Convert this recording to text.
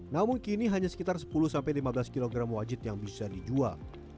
namun kini hanya sekitar sepuluh lima belas kg wajit yang bisa dijual